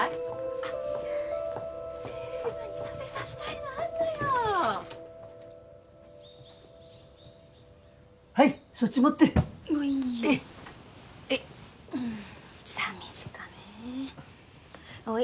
あっセイラに食べさせたいのあんのよはいそっち持ってはいいはいうん寂しかねえおい